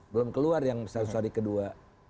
belum keluar yang seratus hari kedua